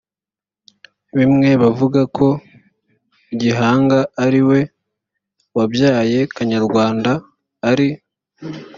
bimwe bavuga ko gihanga ari we wabyaye kanyarwanda ari